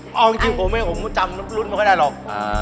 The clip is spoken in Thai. เอาจริงผมจำรุ่นไม่ค่อยได้หรอก